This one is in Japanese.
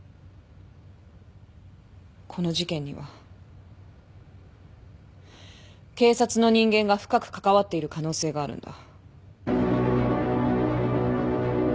この事件には警察の人間が深く関わっている可能性があるんだ。